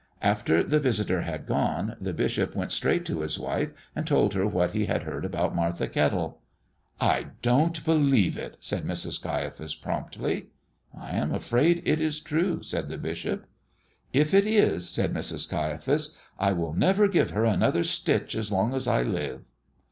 After the visitor had gone, the bishop went straight to his wife and told her what he had heard about Martha Kettle. "I don't believe it," said Mrs. Caiaphas, promptly. "I am afraid it is true," said the bishop. "If it is," said Mrs. Caiaphas, "I will never give her another stitch as long as I live."